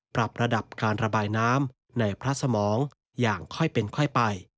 ปรับระดับการระบายน้ำในพระสมองอย่างค่อยเป็นค่อยไป